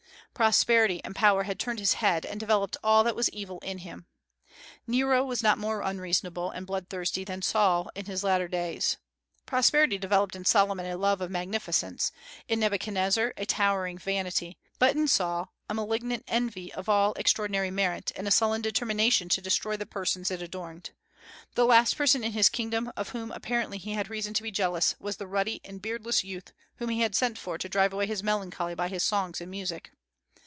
Prosperity and power had turned his head, and developed all that was evil in him. Nero was not more unreasonable and bloodthirsty than was Saul in his latter days. Prosperity developed in Solomon a love of magnificence, in Nebuchadnezzar a towering vanity, but in Saul a malignant envy of all extraordinary merit, and a sullen determination to destroy the persons it adorned. The last person in his kingdom of whom apparently he had reason to be jealous, was the ruddy and beardless youth whom he had sent for to drive away his melancholy by his songs and music.